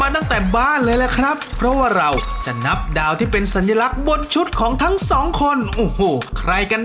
ถ้าพร้อมแล้วตักได้เท่าไหร่